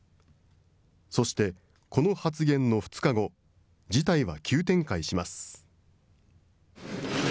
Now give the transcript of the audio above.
そして、この発言の２日後、事態は急展開します。